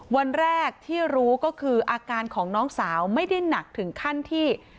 วันแรกที่รู้ก็คืออาการของน้องสาวไม่ได้หนักถึงขั้นที่